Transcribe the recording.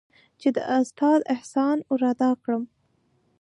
چې د استاد احسان ورادا کړم.